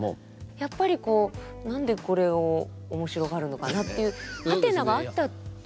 やっぱり何でこれを面白がるのかなっていう「ハテナ」があったっていう？